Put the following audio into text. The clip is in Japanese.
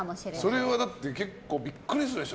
それは結構ビックリするでしょ